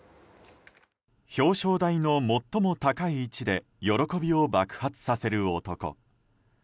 表彰台の最も高い位置で喜びを爆発させる男。